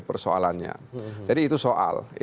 persoalannya jadi itu soal